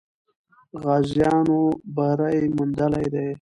غازیانو بری موندلی دی.